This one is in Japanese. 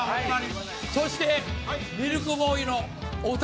そしてミルクボーイのお二人。